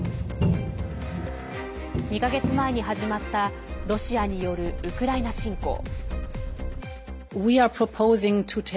２か月前に始まったロシアによるウクライナ侵攻。